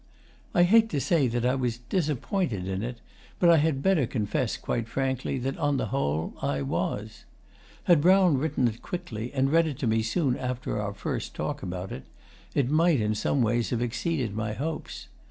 I hate to say that I was disappointed in it, but I had better confess quite frankly that, on the whole, I was. Had Brown written it quickly and read it to me soon after our first talk about it, it might in some ways have exceeded my hopes.